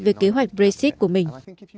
về kế hoạch brexit của mình